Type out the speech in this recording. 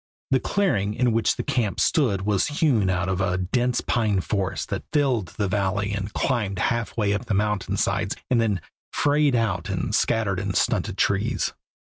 The clearing in which the camp stood was hewn out of a dense pine forest that filled the valley and climbed halfway up the mountain sides and then frayed out in scattered and stunted trees.